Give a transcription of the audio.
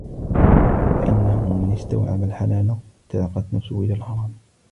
فَإِنَّهُ مَنْ اسْتَوْعَبَ الْحَلَالَ تَاقَتْ نَفْسُهُ إلَى الْحَرَامِ